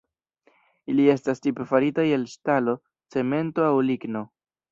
Ili estas tipe faritaj el ŝtalo, cemento aŭ ligno.